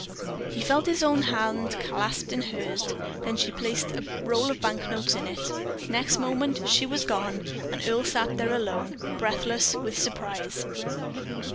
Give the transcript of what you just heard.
He felt his own hand clasped in hers; then she placed a roll of bank notes in it. The next moment she was gone, and Earle sat there alone, breathless with surprise.